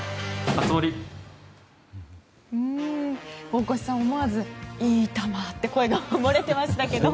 大越さん、思わずいい球って声が漏れてましたけど。